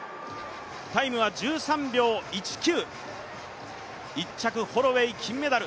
タイムは１３秒１９、１着ホロウェイは金メダル、